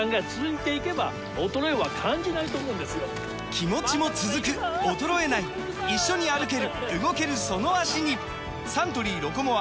気持ちも続く衰えない一緒に歩ける動けるその脚にサントリー「ロコモア」！